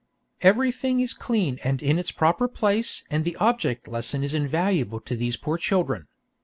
"Everything is clean and in its proper place and the object lesson is invaluable to these poor children.